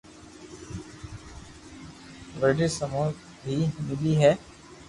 لڌيز سمون بي ملي هي